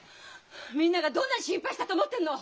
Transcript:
みんながどんなに心配したと思ってんの！